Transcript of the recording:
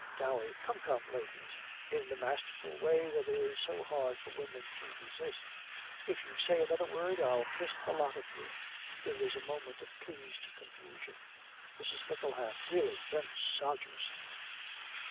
DOWEY. 'Come, come, ladies,' in the masterful way that is so hard for women to resist; 'if you say another word, I'll kiss the lot of you.' There is a moment of pleased confusion. MRS. MICKLEHAM. 'Really, them sodgers!'